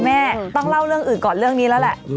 แม่ต้องเล่าเรื่องอื่นก่อนเรื่องนี้แล้วแหละ